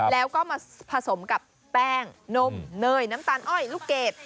แล้วก็มาผสมกับแป้งนมเนยน้ำตาลอ้อยลูกเกด